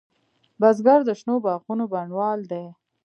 بزګر د شنو باغونو بڼوال دی